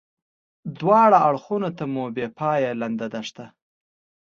دواړه اړخو ته مو بې پایې لنده دښته.